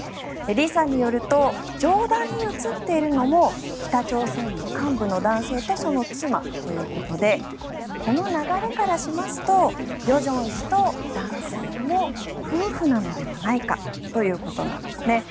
李さんによると上段に写っているのも北朝鮮の幹部の男性とその妻ということでこの流れからしますと与正氏と男性も夫婦なのではないかということなんですね。